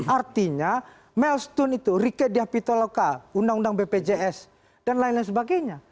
artinya melstone itu rike diapitoloka undang undang bpjs dan lain lain sebagainya